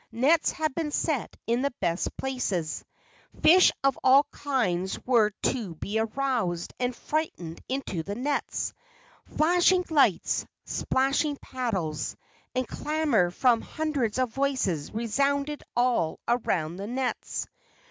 Nets had been set in the best places. Fish of all kinds were t° be aroused and frightened into the nets. Flash¬ ing lights, splashing paddles, and clamor from hundreds of voices resounded all around the nets.